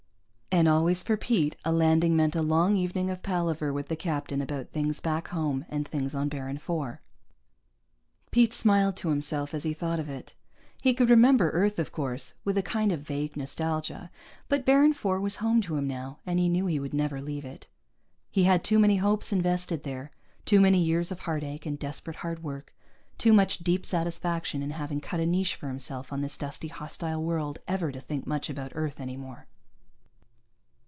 And always for Pete a landing meant a long evening of palaver with the captain about things back home and things on Baron IV. Pete smiled to himself as he thought of it. He could remember Earth, of course, with a kind of vague nostalgia, but Baron IV was home to him now and he knew he would never leave it. He had too many hopes invested there, too many years of heartache and desperate hard work, too much deep satisfaction in having cut a niche for himself on this dusty, hostile world, ever to think much about Earth any more.